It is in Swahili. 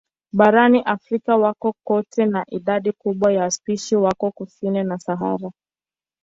Barani Afrika wako kote na idadi kubwa ya spishi wako kusini ya Sahara.